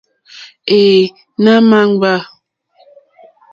Εε nà ma jgba.